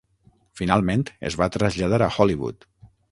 Finalment es va traslladar a Hollywood.